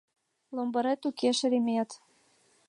Ломберет уке, шеремет.